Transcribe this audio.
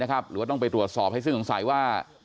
หรือว่าต้องไปตรวจสอบให้สิ้นสงสัยว่า